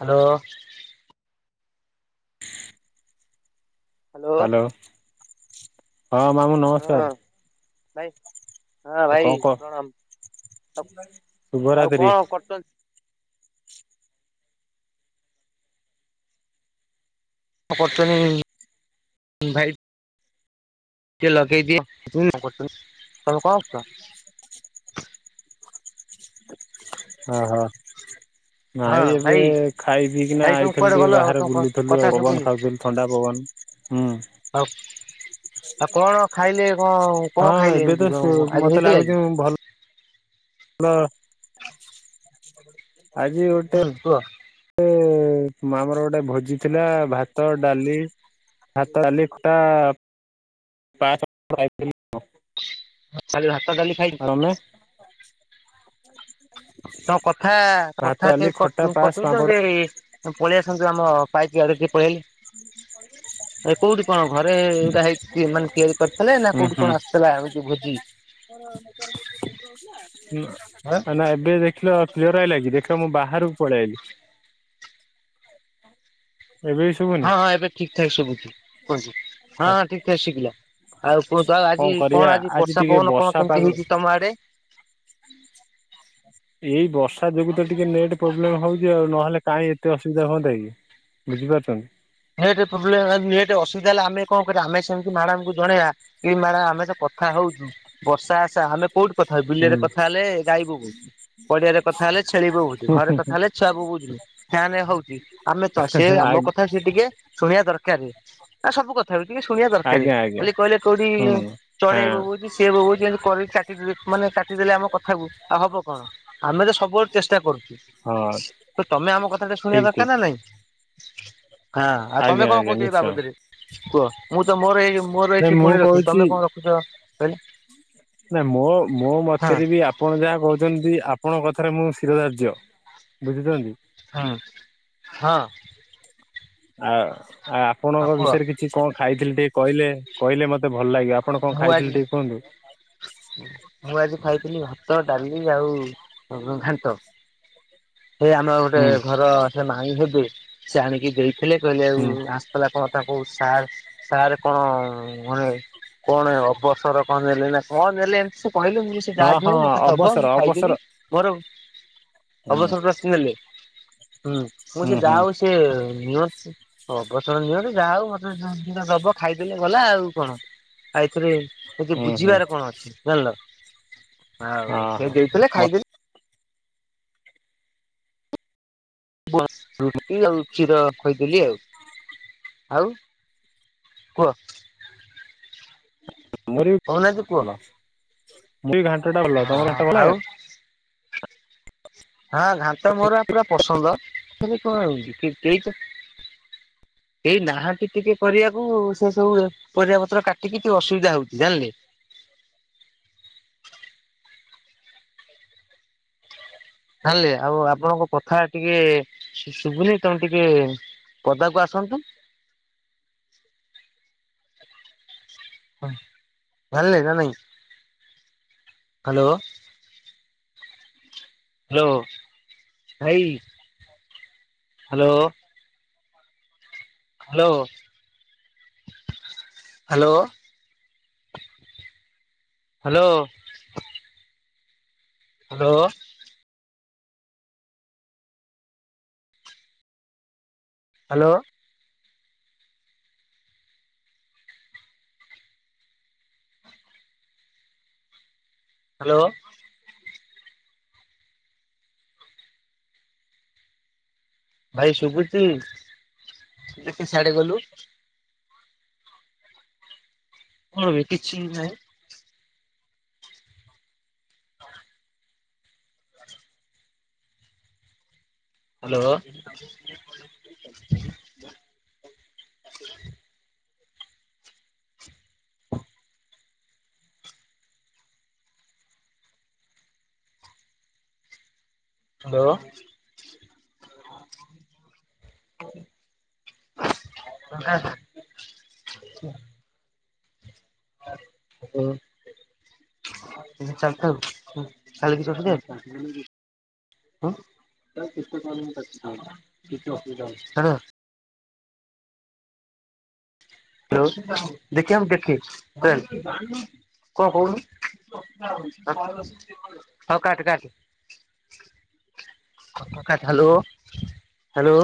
Hello. Hello hello ହଁ ମାମୁଁ ହଁ ନମସ୍କାର। ଭାଇ ହଁ ଆଉ କଣ ଭାଇ କହ ପ୍ରଣାମ ଆଉ ଶୁଭରାତ୍ରି କଣ କରୁଚନ୍ତି? କଣ [unintelligible] ଭାଇ? ଟିକେ ଲଗେଇଦିଏ [unintelligible] [inaudible] ଅଃ। ହଁ ନାଇଁ ଏବେ ଭାଇ ଖାଇ ପିଇକିନା ଭାଇ ତମେ ଆଇଥିଲୁ କୁଆଡେ ଟିକେ ଗଲ ବାହାରେ ତମ ବୁଲୁଥୁଲୁ କଥା ଆଉ ପବନ ଶୁଭୁନି ଖାଉଥୁଲୁ ଥଣ୍ଡା ପବନ। ହଁ। ଆଉ ଆଉ କଣ ଖାଇଲେ କଣ କଣ ହଁ ଖାଇଲେ ଏବେ ତ ଏମିତି ସୁ କଣ ଆଜି ମତେ ହେଇଥିଲା କି। ହଁ ଆଜି ଗୋଟେ। ହୁଁ କୁହ। ଆମର ଗୋଟେ ଭୋଜି ଥିଲା ଭାତ, ଡାଲି। ଭାତ, ଡାଲି, ଖଟା, ପାସ ଖାଇଥିଲୁ। ଖାଲି ଭାତ ଡାଲି ଖାଇକି। ତମେ ତ କଥା ଭାତ କଥା ଡାଲି ଖଟା ପାସ୍ ପାମ୍ପଡ଼ କଟଉଛନ୍ତି। ପଳେଇ ଆସନ୍ତୁ ଆମ ପାଇକି ଆଡେ ଟିକେ ପଳେଇଆଇଲେ। କୋଉଠି କଣ ଘରେ ଏଇଟା ହେଇ ମାନେ ତିଆରି କରିଥିଲେ ନା ଉଁ କୋଉଠି ହୁଁ କଣ ଆସିଥିଲା ହଉଚି ଭୋଜି?। ହଁ ଏବେ ଦେଖି। ଦେଖିଲ କ୍ଲିୟର ଆଇଲାକି ଦେଖିଲ ମୁଁ ବାହାରକୁ ପଳେଇଆଇଲି। ଏବେ। ଶୁଭୁନି ହଁ ହଁ ଏବେ ଠିକ ଠାକ ସବୁଛି କୁହ ହଁଁ ଠିକ ଠାକ ଶୁଭିଲା। ଆଉ କୁହନ୍ତୁ ଆଉ ଆଜି କଣ ଆଜି ବର୍ଷା ପବନ କଣ କେମିତି ହେଇଛି ତମ ଆଡେ। ଏଇ ବର୍ଷା ଯୋଗୁ ତ ଟିକେ ନେଟ୍ ପ୍ରୋବ୍ଲେମ ହଉଛି ଆଉ ନହେଲେ କାହିଁ ଏତେ ଅସୁବିଧା ହୁଅନ୍ତା କି। ବୁଝିପାରୁଛନ୍ତି। ନେଟ ପ୍ରୋବ୍ଲେମ ନେଟ ଅସୁବିଧା ହେଲେ ଆମେ କଣ କରିବା ଆମେ ସେମତି ମ୍ୟାଡାମକୁ ଜଣେଇବା। ଏଇ ମାଡାମ ଆମେ ଜଉ କଥା ହଉଛୁ ବର୍ଷା ଆସା ଆମେ। କୋଉଠି କଥା ହେବି ବିଲରେ କଥା ଆ ହେଲେ ଗାଇ ବୋବୋଉଛି। ପଡିଆରେ କଥା ହେଲେ ଛେଳି ବୋବୋଉଛି। ଘରେ କଥା ହେଲେ ଛୁଆ ବୋବୋଉଛି। ଗାଁରେ ହଉଛି ଆମେ ତ ସେ ଆମ କଥା ସେ ଟିକେ ଶୁଣିବା ଦରକାର। ସତ କଥାବି ଶୁଣିବା ଦରକାର ଆଜ୍ଞା ଆଜ୍ଞା ଖାଲି କହିଲେ କଉଠି ହୁଁ ଚଢେଇ ହଁ ବୋବଉଛି। ସିଏ ବୋବଉଛି କରି କାଟିଦେଲେ ମାନେ କାଟିଦେଲେ ଆମ କଥାକୁ ଆଉ ହବ କି। କଣ ଆମେ ତ ସବୁବେଳେ ଚେଷ୍ଟା କରୁଛୁ ହଁ ତ ତମେ ଆମ କଥାଟା ଶୁଣିବା ଠିକ ଦରକାର ନା ଠିକ ନାଇଁ। ହଁ ଆଉ ତମେ ଆଜ୍ଞା କଣ ଆଜ୍ଞା କହୁଛି ଏଇ ନିଶ୍ଚୟ ବାବଦରେ। କୁହ ମୁଁ ତ ମୋର ଏଇ ମୋର ନାଇଁ ଏଇଛି ମୁଁ ପୁଣି ରଖି କହୁଛି ତମେ କଣ ରଖ। ତ କହିଲ। ନା ମୋ ମୋ ମତରେ ବି ଆପ। ଆପଣ ଯାହା କହୁଛନ୍ତି ଆପଣଙ୍କ କଥାରେ ମୁଁ ଶିର ଧାର୍ଯ୍ୟ ବୁଝୁଛନ୍ତି। ହଁ ହଁ। ଆଉ ଆଉ ହଁ ଆପଣଙ୍କ କୁହ ବିଷୟରେ କିଛି କଣ ଖାଇଥିଲି ଟିକେ କହିଲେ କହିଲେ ମତେ। ମତେ ଭଲ ଲାଗିବ ଆପଣ କଣ ମୁଁ ଆଜି ଖାଇଥିଲେ ଟିକେ କୁହନ୍ତୁ। ମୁଁ ଆଜି ଖାଇଥିଲି ଭାତ, ଡାଲି ଆଉ ଘାଣ୍ଟ। ସେ ଆମର ଗୋଟେ ହୁଁ ଘର ସେ ଭାଙ୍ଗି ଦେବି। ସେ ଆଣିକି ଦେଇଥିଲେ କହିଲେ ଆଉ ହୁଁ ଆସିଥିଲା କଣ ତା କଉ ସାର୍। ସାରେ କଣ ମାନେ କଣ ଅବସର କଣ ନେଲେ ନା କଣ ନେଲେ ଏମିତି। କହିଲୁ କିଏ ହଁ ଯାହା ଵି ହଁ ହଉ ମତେ ଦବ ଅବସର ମୁଁ ଅବସର ଖାଇଦେବି ମୋର ହୁଁ ଅବସରର। ବୁଝିଗଲି ହ୍ନୁ। ହୁଁ ସେଯାହା ଵି ହୁଁ ହଉ ମୁଁ ସେ ନିଅନ୍ତୁ। ଅବସର ନିଅ ଯାହା ହଉ ମତେ ସାଙ୍ଗେ ସାଙ୍ଗେ ଦବ ଖାଇଦେଵି ଗଲା ଆଉ କଣ ଆଉ ଏଥିରେ। ଏଠି ହୁଁ ହୁଁ ବୁଝିବାର କଣ ଅଛି ଜାଣିଲ। ଆଉ ହଁ ସେ ହଁ ଦେଇଥିଲେ ମତେ ଖାଇଦେଵି। ରୁଟି ଆଉ କ୍ଷୀର ଖାଇଦେଲି ଆଉ ଆଉ। କୁହ। ଆମର କହୁନାହାନ୍ତି କୁହ ଵି ଘାଣ୍ଟଟା ଭଲଲାଗୁଥିଲା ତମକୁ ହଁ ଘାଣ୍ଟ ଆଉ ଭଲଲାଗେନା। ହଁ ଘାଣ୍ଟ ମୋର ପୁରା ପସନ୍ଦ। ସେ କଣ ହଉଛି। ଏଇ ବାହାରକି ଟିକେ କରିବାକୁ ସେ ସବୁ ପରିବା ପତ୍ର କାଟିକି ଟିକେ ଅସୁବିଧା ହଉଛି ଜାଣିଲେ। ଜାଣିଲେ ଆଉ ଆପଣଙ୍କ କଥା ଟିକେ ଶୁଭୁନି ତେଣୁ ଟିକେ। ପଦାକୁ ଆସନ୍ତୁ ହଁ ବାହାରିଲେ ନା ନାଇଁ ହାଲୋ। ହାଲୋ ଭାଇ hello. Hello hello. Hello. Hello. Hello. Hello. ଭାଇ ଶୁଭୁଚି ଟିକେ ସିଆଡ଼େ ଗଲୁ। ହଁ ବେ କିଛି ନାହିଁ। ହାଲୋ। ହାଲୋ। [unintelligible] ହୁଁ। ଚାଲିଥାଉ ଚାଲିଲେ କିଛି ଅସୁବିଧା ଅଛି। ହୁଁ ହଁ। ହାଲୋ ଦେଖିଆ ମୁଁ ଦେଖେ। କଣ କହୁନୁ ହଁ କାଟେ କାଟେ। Hello hello.